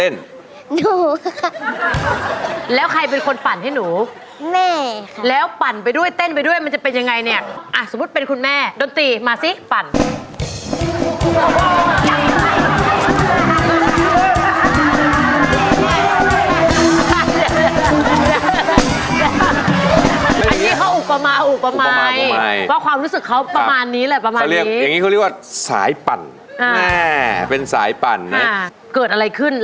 มารายการร้องได้ให้ร้านนักสู้สิงค์ร้านของเราต้องการเงินทุนเท่าไหร่ครับ